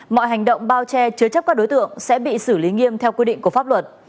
mọi hành động bao che chứa chấp các đối tượng sẽ bị xử lý nghiêm theo quy định của pháp luật